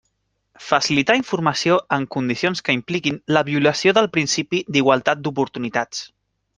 Facilitar informació en condicions que impliquin la violació del principi d'igualtat d'oportunitats.